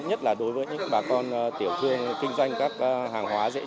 nhất là đối với những bà con tiểu thương kinh doanh các hàng hóa dễ dàng